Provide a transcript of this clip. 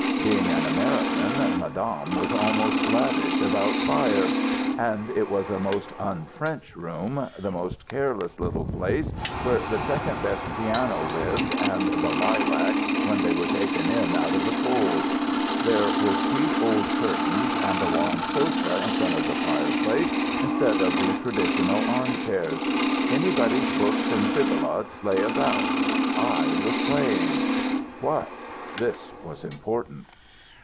Being an American, Madame was almost lavish about fires. And it was a most un French room, the most careless little place, where the second best piano lived, and the lilacs, when they were taken in out of the cold. There were sweet old curtains, and a long sofa in front of the fireplace instead of the traditional armchairs. Anybody's books and bibelots lay about. I was playing." "What?" This was important.